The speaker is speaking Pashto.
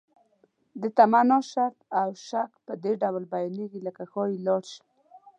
د تمنا، شرط او شک په ډول بیانیږي لکه ښایي لاړ شم.